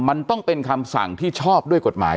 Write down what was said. มันต้องเป็นคำสั่งที่ชอบด้วยกฎหมาย